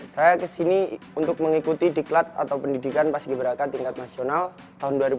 saya kesini untuk mengikuti diklat atau pendidikan paski beraka tingkat nasional tahun dua ribu dua puluh